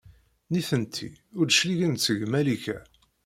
Nitenti ur d-cligent seg Malika.